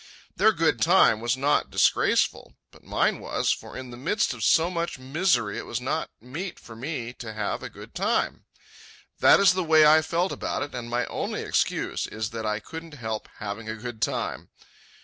Their good time was not disgraceful; but mine was, for in the midst of so much misery it was not meet for me to have a good time. That is the way I felt about it, and my only excuse is that I couldn't help having a good time.